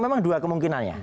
memang dua kemungkinannya